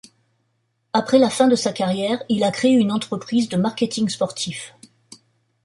Après la fin de sa carrière, il a créé une entreprise de marketing sportif.